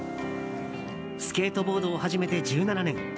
スケートボードを始めて１７年。